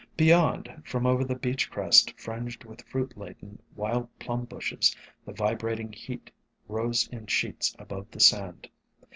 Beyond, from over the beach crest fringed with fruit laden Wild Plum Bushes, the vibrating heat rose in sheets above the sand.